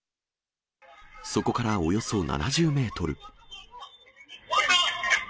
そこからおよそ７０メートル。